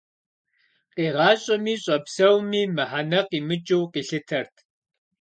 Къигъащӏэми щӏэпсэуми мыхьэнэ къимыкӏыу къилъытэрт.